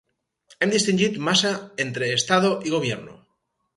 Hem distingit massa entre “Estado” i “Gobierno”.